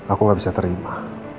aku gak bisa terima